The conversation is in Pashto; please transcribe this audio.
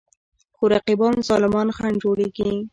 خو رقیبان ظالمان خنډ جوړېږي.